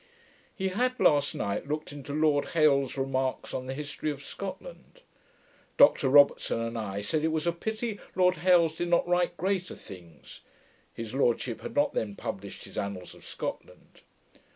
He had last night looked into Lord Hailes's Remarks on the History of Scotland. Dr Robertson and I said, it was a pity Lord Hailes did not write greater things. His lordship had not then published his Annals of Scotland.